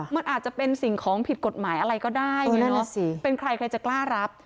มันอาจจะเป็นสิ่งของผิดกฎหมายอะไรก็ได้เป็นใครใครจะกล้ารับ